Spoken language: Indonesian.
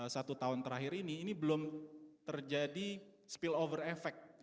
satu tahun terakhir ini ini belum terjadi spill over effect